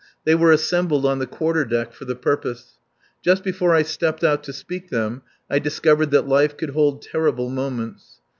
They were assembled on the quarterdeck for the purpose. Just before I stepped out to speak to them I discovered that life could hold terrible moments.